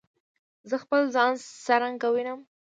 زه خپل ځان څرنګه وینم؟